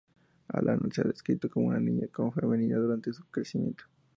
Alana se ha descrito como una niña poco femenina durante su crecimiento.